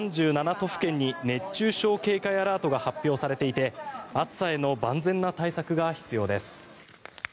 都府県に熱中症警戒アラートが発表されていて暑さへの万全な対策が必要です。